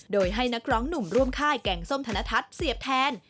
โดยให้นักร้องหนุ่มร่วมค่ายแกงส้มธนทัศน์เสียบแทน